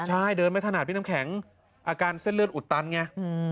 ใช่เดินไม่ถนัดพี่น้ำแข็งอาการเส้นเลือดอุดตันไง